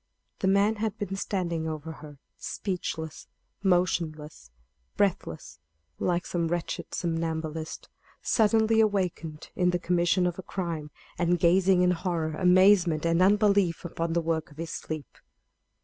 The man had been standing over her, speechless, motionless, breathless, like some wretched somnambulist, suddenly awakened in the commission of a crime, and gazing in horror, amazement, and unbelief upon the work of his sleep.